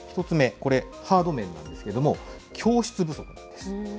１つ目、これ、ハード面なんですけれども、教室不足なんです。